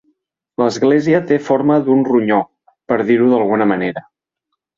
L'església té forma d'un ronyó, per dir-ho d'alguna manera.